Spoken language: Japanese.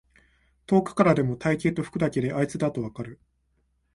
遠くからでも体型と服だけであいつだとわかる